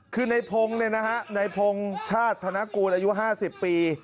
คือในพงศ์ชาติธนกูลอายุ๕๐ปี